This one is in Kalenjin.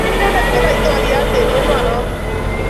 Inendet ko laitoriat eng emonoto